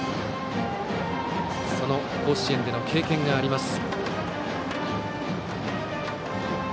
その甲子園での経験があります。